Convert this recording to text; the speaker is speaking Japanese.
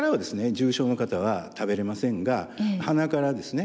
重症の方は食べれませんが鼻からですね